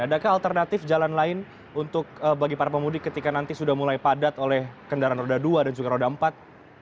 adakah alternatif jalan lain untuk bagi para pemudik ketika nanti sudah mulai padat oleh kendaraan roda dua dan juga roda empat